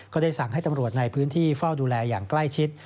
ก็ได้สั่งให้ตำรวจในพื้นที่เฝ้าดูแลอย่างใกล้ชิด